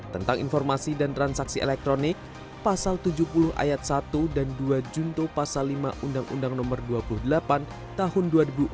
tentang informasi dan transaksi elektronik pasal tujuh puluh ayat satu dan dua junto pasal lima undang undang no dua puluh delapan tahun dua ribu empat